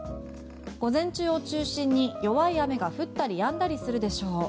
午前中を中心に弱い雨が降ったりやんだりするでしょう。